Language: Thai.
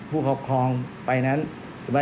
ผู้ครอบครองไฟแนนซ์